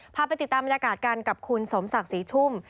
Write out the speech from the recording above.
พาไปติดตามบรรยากาศกันกับคุณสมศักดิ์ศรีชุ่ม